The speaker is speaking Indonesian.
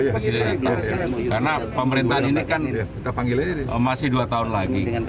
presidennya tahu karena pemerintahan ini kan masih dua tahun lagi